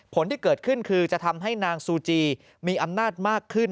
ผลที่เกิดขึ้นคือจะทำให้นางซูจีมีอำนาจมากขึ้น